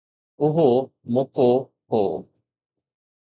اهو موقعو هو.